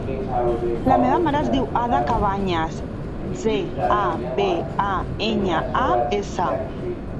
La meva mare es diu Ada Cabañas: ce, a, be, a, enya, a, essa.